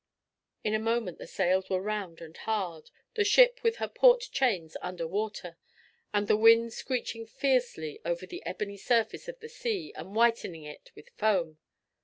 In a moment the sails were round and hard, the ship with her port chains under water, and the wind screeching fiercely over the ebony surface of the sea and whitening it with foam.